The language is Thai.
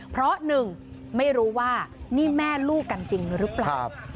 เพราะหนึ่งไม่รู้ว่านี่แม่ลูกกันจริงหรือเปล่า